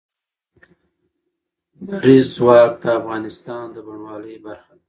لمریز ځواک د افغانستان د بڼوالۍ برخه ده.